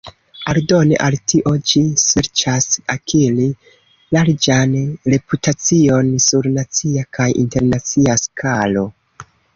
Aldone al tio, ĝi serĉas akiri larĝan reputacion sur nacia kaj internacia skalo.